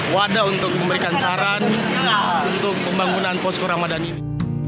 wadah untuk memberikan saran untuk pembangunan posko ramadan ini